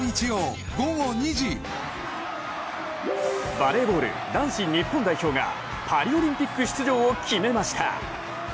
バレーボール男子日本代表がパリオリンピック出場を決めました。